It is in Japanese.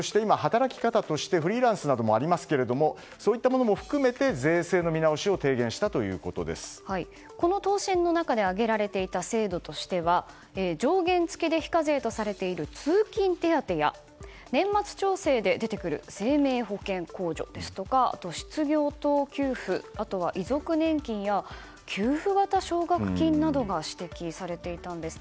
そして今、働き方としてフリーランスなどもありますがそういったものも含めて税制の見直しをこの答申の中で挙げられていた制度としては条件付きで非課税とされている通勤手当や年末調整で出てくる生命保険控除ですとかあとは失業等給付遺族年金や給付型奨学金などが指摘されていたんです。